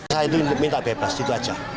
saya itu minta bebas itu aja